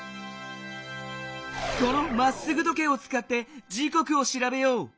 この「まっすぐ時計」をつかって時こくをしらべよう。